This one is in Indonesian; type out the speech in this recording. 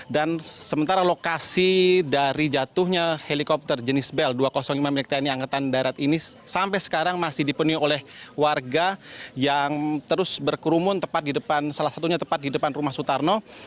dan sementara lokasi dari jatuhnya helikopter jenis bel dua ratus lima milik tni angkatan darat ini sampai sekarang masih dipenuhi oleh warga yang terus berkerumun salah satunya tepat di depan rumah sutarno